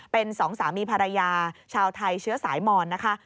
เป็นสองสามีภรรยาชาวไทยเชื้อสายมอนนะคะ